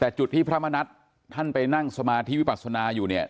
แต่จุดที่พระมณัฐท่านไปนั่งสมาธิวิปัสนาอยู่เนี่ย